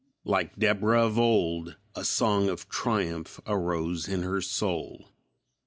Like Deborah of old a song of triumph arose in her soul.